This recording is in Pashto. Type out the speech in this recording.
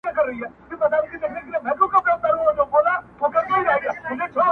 د دروازې پر سر یې ګل کرلي دینه؛